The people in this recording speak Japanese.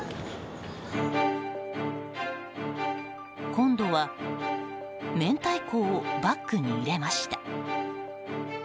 今度は明太子をバッグに入れました。